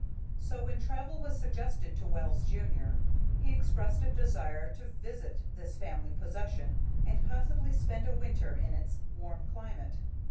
So when travel was suggested to Wells, junior, he expressed a desire to visit this family possession, and possibly spend a winter in its warm climate.